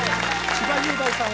千葉雄大さん